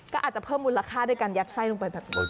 ก็อาจจะเพิ่มมูลค่าด้วยการยัดไส้ลงไปแบบนี้